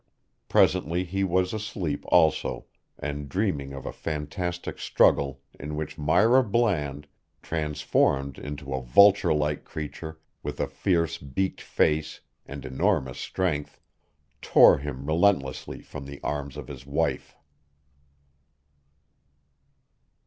Presently he was asleep also and dreaming of a fantastic struggle in which Myra Bland transformed into a vulture like creature with a fierce beaked face and enormous strength tore him relentlessly from the arms of his wife.